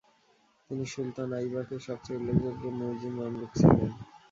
তিনি সুলতান আইবাকের সবচেয়ে উল্লেখযোগ্য মুইযি মামলুক ছিলেন।